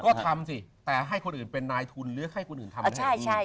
ก็ทำสิแต่ให้คนอื่นเป็นนายทุนหรือให้คนอื่นทำนั่นเอง